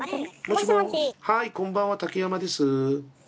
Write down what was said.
はいこんばんは竹山です。